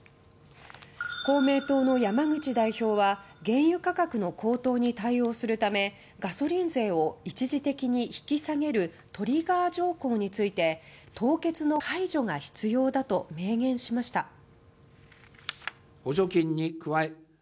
公明党の山口代表は原油価格の高騰に対応するためガソリン税を一時的に引き下げるトリガー条項について凍結の解除が必要だと明言しました。